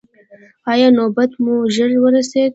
ایا نوبت مو ژر ورسید؟